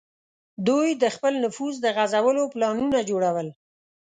دوی د خپل نفوذ د غځولو پلانونه جوړول.